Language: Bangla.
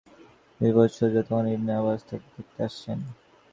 তিনি মৃত্যু শয্যায় তখন ইবনে আব্বাস তাকে দেখতে আসেন।